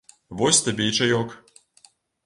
Вось табе і чаёк.